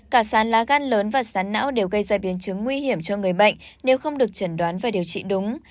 cả sán lá gan lớn và sán não đều gây ra biến chứng nguy hiểm cho người bệnh nếu không được chẩn đoán và điều trị đúng